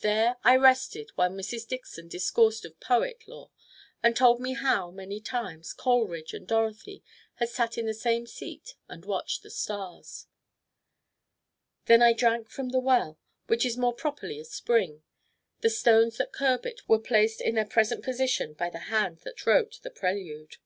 There I rested while Mrs. Dixon discoursed of poet lore, and told me of how, many times, Coleridge and Dorothy had sat in the same seat and watched the stars. Then I drank from "the well," which is more properly a spring; the stones that curb it were placed in their present position by the hand that wrote "The Prelude."